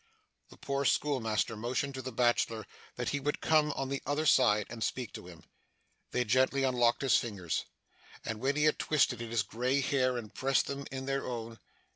The poor schoolmaster motioned to the bachelor that he would come on the other side, and speak to him. They gently unlocked his fingers, which he had twisted in his grey hair, and pressed them in their own.